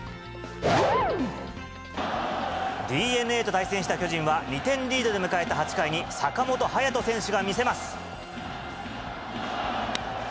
ＤｅＮＡと対戦した巨人は、２点リードで迎えた８回に、坂本勇人選手が見せます。